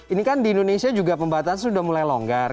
ini kan di indonesia juga pembatasan sudah mulai longgar